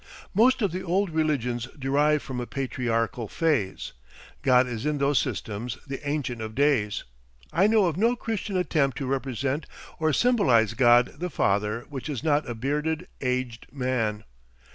Most of the old religions derive from a patriarchal phase. God is in those systems the Ancient of Days. I know of no Christian attempt to represent or symbolise God the Father which is not a bearded, aged man.